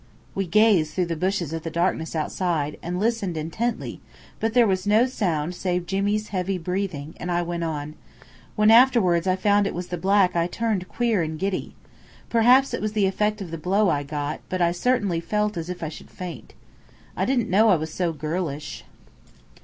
We gazed through the bushes at the darkness outside, and listened intently, but there was no sound save Jimmy's heavy breathing, and I went on: "When afterwards I found it was the black I turned queer and giddy. Perhaps it was the effect of the blow I got, but I certainly felt as if I should faint. I didn't know I was so girlish."